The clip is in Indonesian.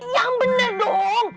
yang bener dong